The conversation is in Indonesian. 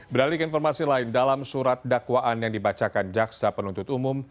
beralik informasi lain dalam surat dakwaan yang dibacakan jaksa penuntut umum